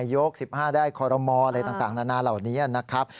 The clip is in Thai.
ยก๑๕ได้คอรมออะไรต่างนานาเหล่านี้นะครับ